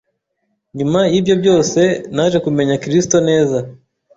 Nyuma y’ibyo byose naje kumenya Kristo neza,